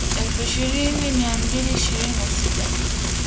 Elfu ishirini mia mbili ishirini na sita